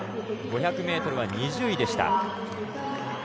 ５００ｍは２０位でした。